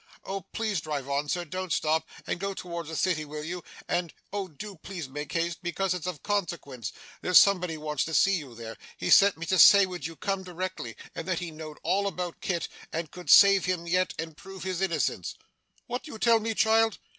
'Oh please drive on, sir don't stop and go towards the City, will you? And oh do please make haste, because it's of consequence. There's somebody wants to see you there. He sent me to say would you come directly, and that he knowed all about Kit, and could save him yet, and prove his innocence.' 'What do you tell me, child?